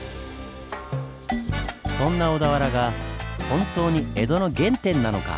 そんな小田原が本当に江戸の原点なのか？